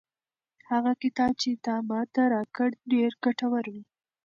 هغه کتاب چې تا ماته راکړ ډېر ګټور و.